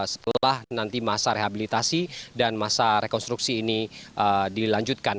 setelah nanti masa rehabilitasi dan masa rekonstruksi ini dilanjutkan